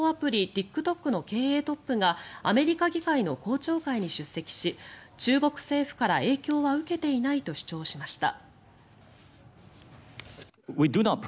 ＴｉｋＴｏｋの経営トップがアメリカ議会の公聴会に出席し中国政府から影響は受けていないと主張しました。